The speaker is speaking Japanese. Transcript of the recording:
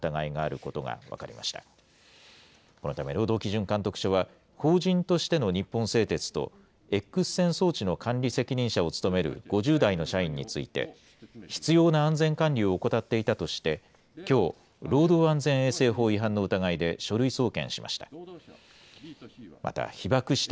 このため、労働基準監督署は、法人としての日本製鉄と、エックス線装置の管理責任者を務める５０代の社員について、必要な安全管理を怠っていたとして、きょう、労働安全衛生法違反の疑いで、書類送検しました。